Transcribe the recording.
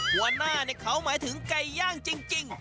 หัวหน้าเขาหมายถึงไก่ย่างจริง